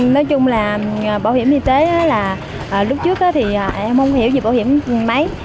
nói chung là bảo hiểm y tế là lúc trước thì em không hiểu gì bảo hiểm máy